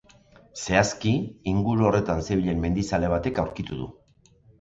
Zehazki, inguru horretan zebilen mendizale batek aurkitu du.